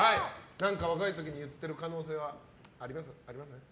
何か若い時に言ってる可能性はありますか？